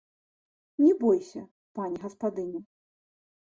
Не бойся, пані гаспадыня!